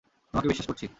তোমাকে বিশ্বাস করছি।